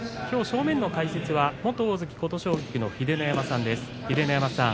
きょう正面の解説は元大関琴奨菊の秀ノ山さんです。